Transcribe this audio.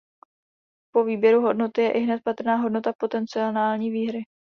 Po výběru hodnoty je ihned patrná hodnota potenciální výhry.